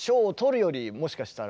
もしかしたら。